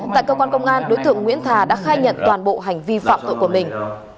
tại cơ quan công an đối tượng nguyễn thà đã khai nhận toàn bộ hành vi phạm tội của mình